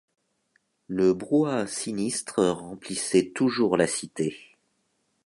Le brouhaha sinistre remplissait toujours la Cité.